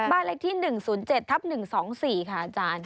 บ้านเลขที่๑๐๗ทับ๑๒๔ค่ะอาจารย์